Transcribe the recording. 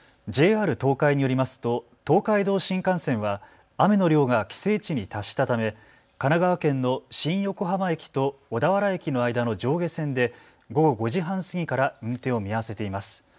ＪＲ東海によりますと東海道新幹線は雨の量が規制値に達したため神奈川県の新横浜駅と小田原駅の間の上下線で午後５時半過ぎから運転を見合わせています。